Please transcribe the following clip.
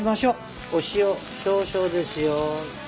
お塩少々ですよ。